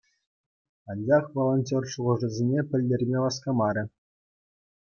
Анчах волонтер шухӑшӗсене пӗлтерме васкамарӗ.